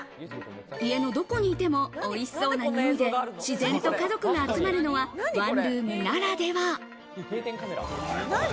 家のどこにいても、おいしそうなにおいで自然と家族が集まるのはワンルームならでは。